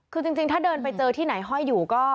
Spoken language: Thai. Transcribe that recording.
คือจริงถ้าเดินไปเจอที่ไหนห้อยอยู่ก็